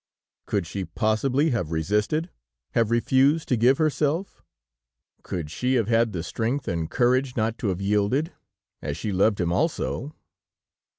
Could she possibly have resisted, have refused to give herself? Could she have had the strength and courage not to have yielded, as she loved him also?